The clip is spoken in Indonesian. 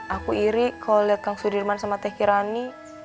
aku iri kalau lihat kang sudirman sama teh kirani